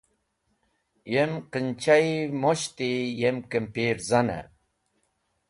Yem qinchey, moshti yem kimpirzane.